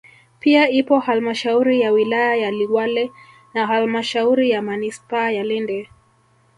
Pia ipo halmashauri ya wilaya ya Liwale na halmashauri ya manispaa ya Lindi